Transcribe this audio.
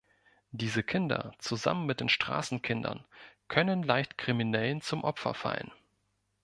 Diese Kinder, zusammen mit den Straßenkindern, können leicht Kriminellen zum Opfer fallen.